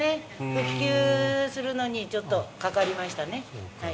復旧するのにちょっとかかりましたね。